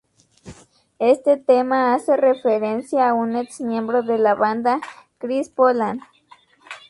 Este tema hace referencia a un ex-miembro de la banda, Chris Poland.